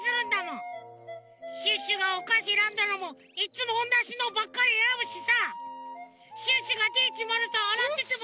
シュッシュがおかしえらんだのもいっつもおんなしのばっかりえらぶしさシュッシュがＤ１０３あらってても。